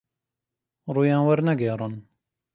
ڕوویان وەرنەگێڕن